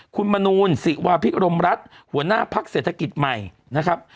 คุณมนูลศิวาพิรมรัฐหัวหน้าพักเศรษฐกิจใหม่นะครับ